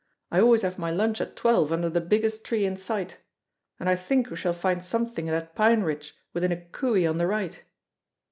I always have my lunch at twelve under the biggest tree in sight. And I think we shall find something in that pine ridge within a cooee on the right."